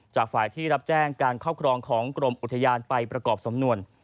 จากฝ่ายที่รับแจ้งการครอบครองของกรมอุทยานไปประกอบสำนวน